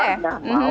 pak iwan bule